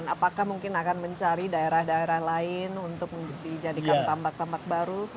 apakah mungkin akan mencari daerah daerah lain untuk dijadikan tambak tambak baru